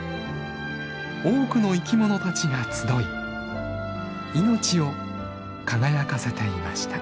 多くの生きものたちが集い命を輝かせていました。